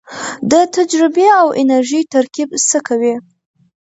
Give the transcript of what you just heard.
د تجربې او انرژۍ ترکیب څه کوي؟